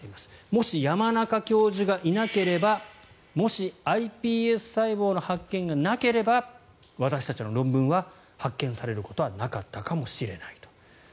もし山中教授がいなければもしｉＰＳ細胞の発見がなければ私たちの論文は発見されることはなかったかもしれないと。